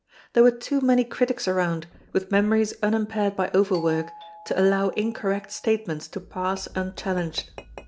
There were too many critics around, with memories unimpaired by overwork, to allow incorrect statements to pass unchallenged.